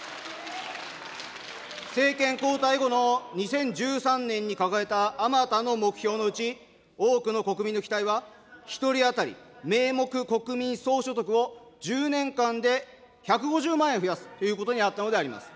政権交代後の２０１３年に抱えたあまたの目標のうち、多くの国民の期待は１人当たり名目国民総所得を１０年間で１５０万円増やすということにあったのであります。